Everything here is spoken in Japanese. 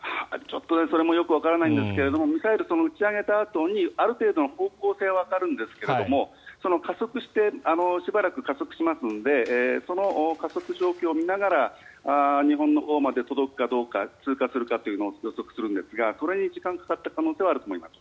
それもよくわからないんですがミサイルを打ち上げたあとにある程度の方向性はわかるんですがしばらく加速しますのでその加速状況を見ながら日本のほうまで届くかどうか通過するかどうかを予測するんですがそれに時間がかかった可能性はあります。